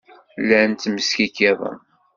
Llan ttmeskikkiḍen.